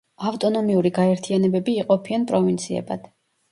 ავტონომიური გაერთიანებები იყოფიან პროვინციებად.